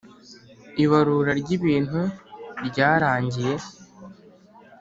ibarura ry’ ibintu ryarangiye.